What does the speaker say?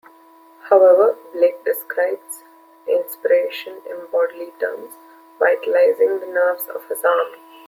However, Blake describes inspiration in bodily terms, vitalising the nerves of his arm.